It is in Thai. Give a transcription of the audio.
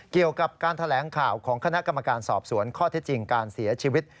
เกี่ยวกับการแถลงข่าวของคณะกรรมการสอบสวนข้อเท็จจริงการเสียชีวิต